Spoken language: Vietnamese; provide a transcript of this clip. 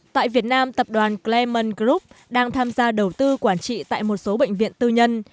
tại việt nam tập đoàn clamon group đang tham gia đầu tư quản trị tại một số bệnh viện tư nhân